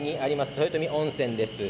豊富温泉です。